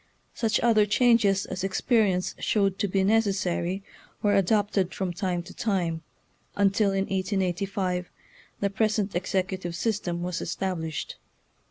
Such other changes as experi ence showed to be necessary were adopted from time to time, until in 1885 the pres ent executive system was established.